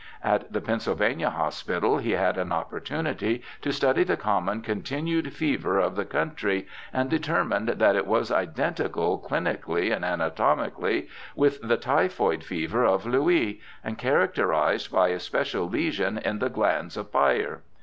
At the Pennsylvania Hospital he had an opportunity to study the common continued fever of the country, and determined that it was identical, clinically and anatomically, with the typhoid fever of Louis, and characterized by a special lesion in the glands of Peyer.